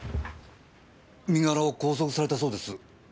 身柄を拘束されたそうです。